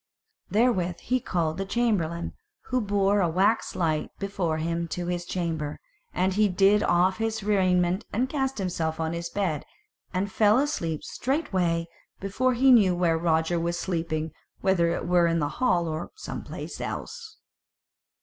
Therewith he called the chamberlain, who bore a wax light before him to his chamber, and he did off his raiment and cast himself on his bed, and fell asleep straightway, before he knew where Roger was sleeping, whether it were in the hall or some place else.